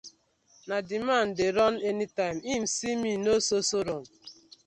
Di man dey run anytime im see mi no so so run.